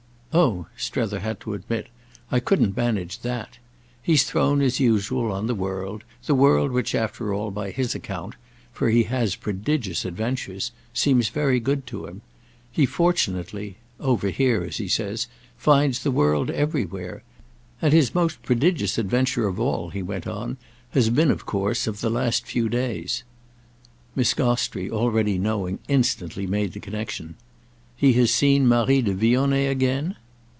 "Oh," Strether had to admit, "I couldn't manage that. He's thrown, as usual, on the world; the world which, after all, by his account—for he has prodigious adventures—seems very good to him. He fortunately—'over here,' as he says—finds the world everywhere; and his most prodigious adventure of all," he went on, "has been of course of the last few days." Miss Gostrey, already knowing, instantly made the connexion. "He has seen Marie de Vionnet again?"